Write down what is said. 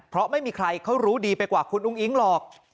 เพราะไม่มีใครเขารู้ดีไปกว่าคุณอุ้งอิ๊งหรอก